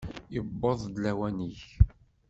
Yewweḍ-d lawan-ik!